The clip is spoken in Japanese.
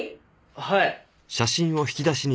はい。